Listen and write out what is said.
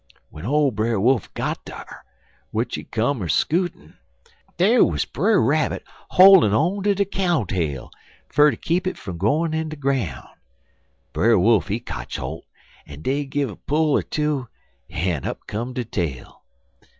"W'en ole Brer Wolf got dar, w'ich he come er scootin', dar wuz Brer Rabbit hol'in' on ter de cow tail, fer ter keep it fum gwine in de groun'. Brer Wolf, he kotch holt, en dey 'gin a pull er two en up come de tail.